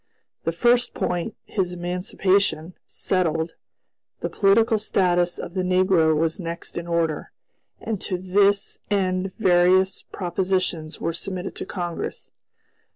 The first point, his emancipation, settled, the political status of the negro was next in order; and to this end various propositions were submitted to Congress.